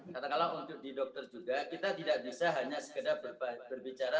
katakanlah untuk di dokter juga kita tidak bisa hanya sekedar berbicara